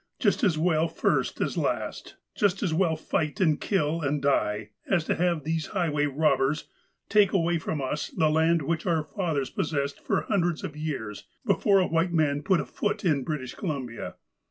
"Just as well first as last. Just as well fight, and kill, and die, as to have these highway robbers take away from us the land which our fathers possessed for hun dreds of years before a white man put a foot in British Columbia."